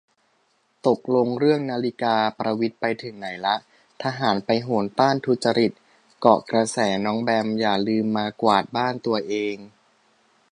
ตกลงเรื่องนาฬิกาประวิตรไปถึงไหนละ ทหารไปโหนต้านทุจริต เกาะกระแสน้องแบม อย่าลืมมากวาดบ้านตัวเอง